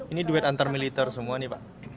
ini duit antar militer semua nih pak